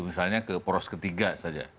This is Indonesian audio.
misalnya ke poros ketiga saja